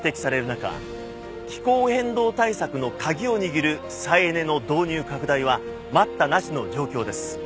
中気候変動対策の鍵を握る再エネの導入拡大は待ったなしの状況です。